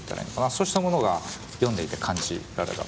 そうしたものが読んでいて感じられた。